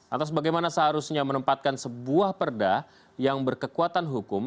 atas bagaimana seharusnya menempatkan sebuah perda yang berkekuatan hukum